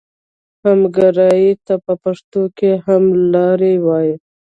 همګرا ته په پښتو کې هملاری وایي.